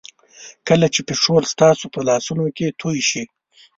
کله چې پټرول ستاسو په لاسونو کې توی شي.